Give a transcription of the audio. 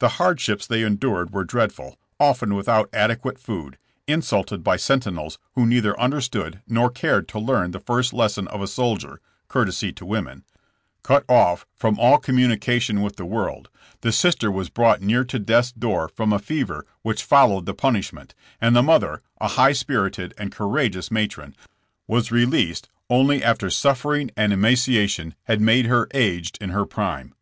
The hardships they endured were dreadful, often without adequate food, insulted by sentinels who neither un derstood nor cared to learn the first lesson of a soldier — courtesy to women — cut off from all communica tion with the world, the sister was brought near to death's door from a fever which followed the punish ment, and the mother— a high spirited and coura geous matron— was released only after suffering and emaciation had made her aged in her prime.